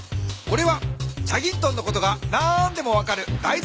これは『チャギントン』のことが何でも分かるだい